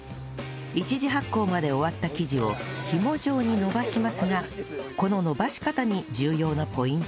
１次発酵まで終わった生地をひも状に伸ばしますがこの伸ばし方に重要なポイントが